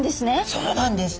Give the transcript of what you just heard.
そうなんです。